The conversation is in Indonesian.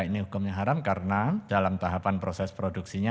ini hukumnya haram karena dalam tahapan proses produksinya